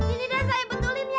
ini deh saya betulin ya